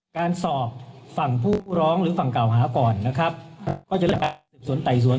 การสอบฝั่งผู้ร้องหรือฝั่งกล่าวหาก่อนนะครับก็จะเรียกรูปส่วนไตสวน